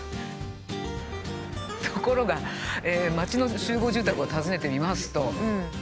ところが町の集合住宅を訪ねてみますと。